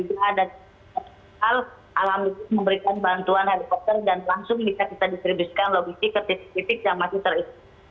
hal alam itu memberikan bantuan helikopter dan langsung bisa kita distribusikan logistik ke titik titik yang masih terisi